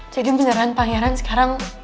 jadi beneran pangeran sekarang